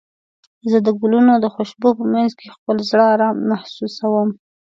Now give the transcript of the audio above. زه د ګلونو د خوشبو په مینځ کې خپل زړه ارام محسوسوم.